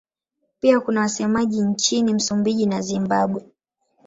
Pia kuna wasemaji nchini Msumbiji na Zimbabwe.